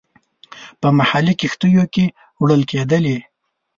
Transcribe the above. په محلي کښتیو کې وړل کېدلې.